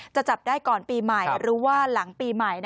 จะจับได้ก่อนปีใหม่หรือว่าหลังปีใหม่